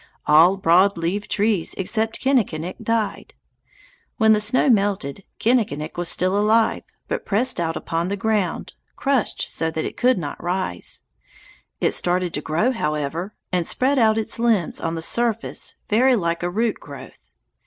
All broad leaved trees except Kinnikinick died. When the snow melted, Kinnikinick was still alive, but pressed out upon the ground, crushed so that it could not rise. It started to grow, however, and spread out its limbs on the surface very like a root growth.